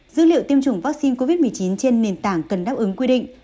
dữ liệu tiêm chủng vaccine covid một mươi chín trên nền tảng cần đáp ứng quy định